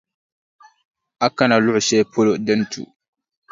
A kana luɣʼ shɛli polo di ni tu.